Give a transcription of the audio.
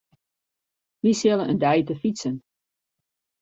Wy sille in dei te fytsen.